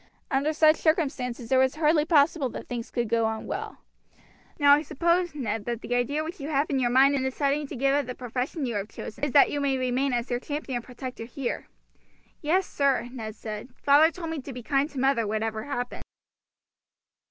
Under such circumstances it was hardly possible that things could go on well. Now I suppose, Ned, that the idea which you have in your mind in deciding to give up the profession you have chosen, is that you may remain as their champion and protector here." "Yes, sir," Ned said. "Father told me to be kind to mother, whatever happened."